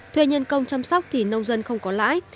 thuê nhân công chăm sóc thì nông dân không có lãi